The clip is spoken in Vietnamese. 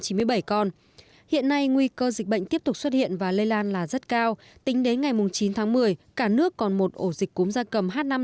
hiện nay nguy cơ dịch bệnh tiếp tục xuất hiện và lây lan là rất cao tính đến ngày chín tháng một mươi cả nước còn một ổ dịch cốm gia cầm